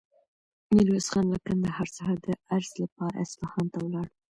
میرویس خان له کندهار څخه د عرض لپاره اصفهان ته ولاړ.